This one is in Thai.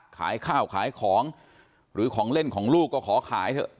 ขายข้าวขายของหรือของเล่นของลูกก็ขอขายเถอะ